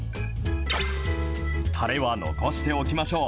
たれは残しておきましょう。